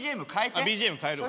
あっＢＧＭ変えるわ。